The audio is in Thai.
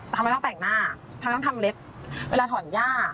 ทำไมต้องแต่งหน้าทำไมต้องทำเล็บเวลาถอนหญ้า